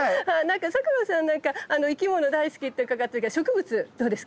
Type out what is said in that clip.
佐久間さんなんか生き物大好きって伺ってるけど植物どうですか？